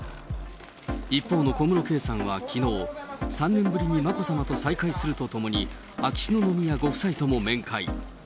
一方の小室圭さんはきのう、３年ぶりに眞子さまと再会するとともに、秋篠宮ご夫妻とも面会。